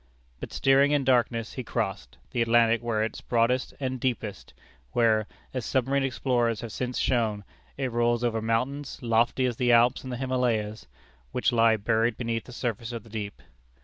But steering in darkness, he crossed the Atlantic where it is broadest and deepest; where, as submarine explorers have since shown, it rolls over mountains, lofty as the Alps and the Himalayas, which lie buried beneath the surface of the deep.